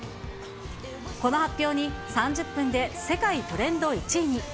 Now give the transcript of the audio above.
この発表に３０分で世界トレンド１位に。